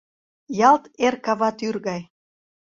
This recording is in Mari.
Ялт эр кава тӱр гай!